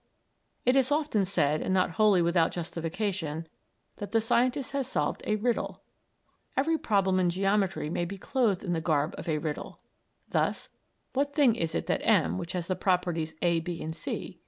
It is often said, and not wholly without justification, that the scientist has solved a riddle. Every problem in geometry may be clothed in the garb of a riddle. Thus: "What thing is that M which has the properties A, B, C?"